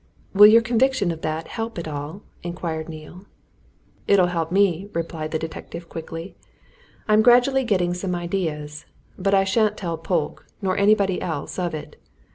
"Will your conviction of that help at all?" inquired Neale. "It'll help me," replied the detective quickly. "I'm gradually getting some ideas. But I shan't tell Polke nor anybody else of it.